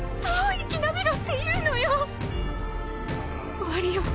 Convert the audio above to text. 終わりよ